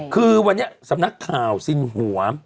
คือวันนี้สำนักข่าวสินหัว